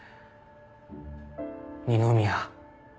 二宮。